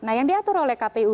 nah yang diatur oleh kpu